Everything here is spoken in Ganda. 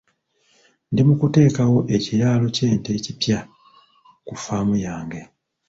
Ndi mu kuteekawo ekiraalo ky'ente ekipya ku ffaamu yange.